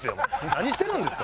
何してるんですか！